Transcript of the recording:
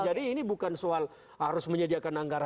jadi ini bukan soal harus menyediakan anggaran